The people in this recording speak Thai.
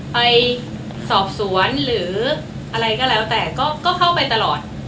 ไปสอบสวนหรืออะไรก็แล้วแต่ก็เข้าไปตลอด